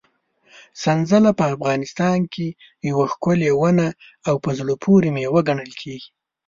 سنځله په افغانستان کې یوه ښکلې ونه او په زړه پورې مېوه ګڼل کېږي.